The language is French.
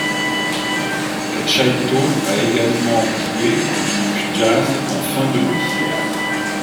Cachaíto a également joué du jazz en fin de nuit.